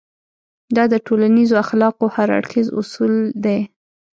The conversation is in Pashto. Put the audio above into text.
دا د ټولنيزو اخلاقو هر اړخيز اصول دی.